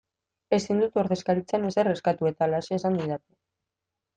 Ezin dut ordezkaritzan ezer eskatu eta halaxe esan didate.